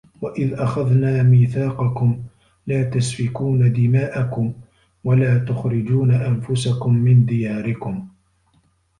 وَإِذْ أَخَذْنَا مِيثَاقَكُمْ لَا تَسْفِكُونَ دِمَاءَكُمْ وَلَا تُخْرِجُونَ أَنْفُسَكُمْ مِنْ دِيَارِكُمْ